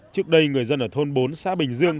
trước đây người dân ở thôn bốn xã bình dương